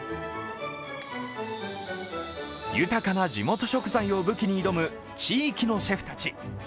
豊かな地元食材を武器に挑む地域のシェフたち。